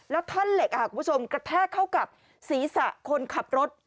แล้วท่อนเหล็กคุณผู้ชมกระแทกเข้ากับศีรษะคนขับรถ